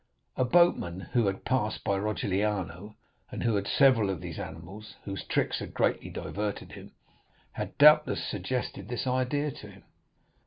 A boatman, who had passed by Rogliano, and who had several of these animals, whose tricks had greatly diverted him, had, doubtless, suggested this idea to him.